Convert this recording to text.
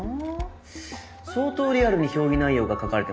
相当リアルに評議内容が書かれてますよ。